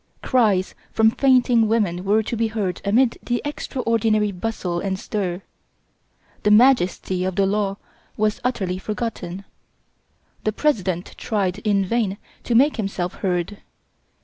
Cries from fainting women were to be heard amid the extraordinary bustle and stir. The "majesty of the law" was utterly forgotten. The President tried in vain to make himself heard.